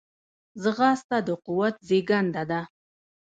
ځغاسته د قوت زیږنده ده